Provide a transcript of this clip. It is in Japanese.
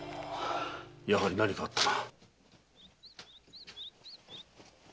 やはり何かあったな。